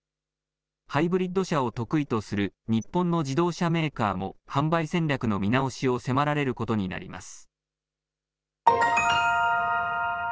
ハイブリッド車を得意とする日本の自動車メーカーも、販売戦略の見直しを迫られることになります。